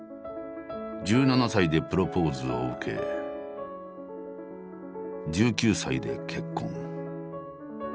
１７歳でプロポーズを受け１９歳で結婚。